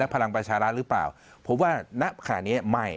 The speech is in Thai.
และพลังประชาร้าคด์หรือเปล่าเพราะว่านักคณิตใหม่